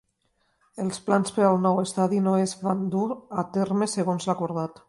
Els plans per al nou estadi no es van dur a terme segons l'acordat.